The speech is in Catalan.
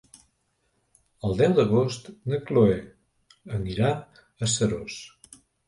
El deu d'agost na Chloé anirà a Seròs.